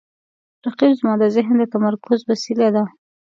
رقیب زما د ذهن د تمرکز وسیله ده